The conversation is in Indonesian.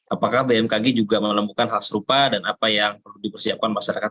dua ribu dua puluh dua apakah bmkg juga menemukan hal serupa dan apa yang perlu dipersiapkan masyarakat